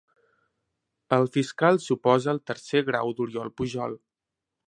El fiscal s'oposa al tercer grau d'Oriol Pujol